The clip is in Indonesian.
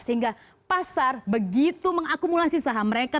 sehingga pasar begitu mengakumulasi saham mereka